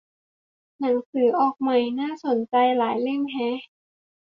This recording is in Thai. หนังสือออกใหม่น่าสนใจหลายเล่มแฮะ